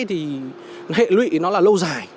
thì hệ lụy nó là lâu dài